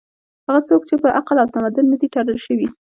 هغه څوک چې په عقل او تمدن نه دي تړل شوي